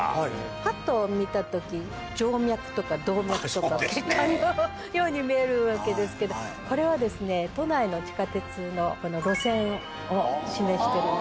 ぱっと見た時静脈とか動脈とか血管のように見えるわけですけどこれは都内の地下鉄の路線を示してるんですね。